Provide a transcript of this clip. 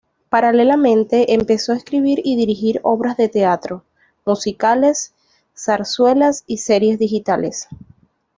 Paralelamente, empezó a escribir y dirigir obras de teatro, musicales, zarzuelas y series digitales.